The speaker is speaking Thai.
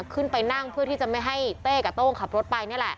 ขึ้นไปนั่งเพื่อที่จะไม่ให้เต้กับโต้งขับรถไปนี่แหละ